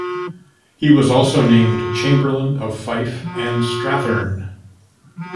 He was also named chamberlain of Fife and Strathearn.